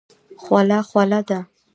خوله خوله ده.